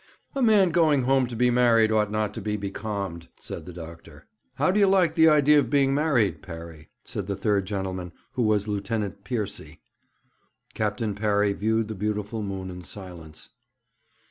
'A man going home to be married ought not to be becalmed,' said the doctor. 'How do you like the idea of being married, Parry?' said the third gentleman, who was one Lieutenant Piercy. Captain Parry viewed the beautiful moon in silence.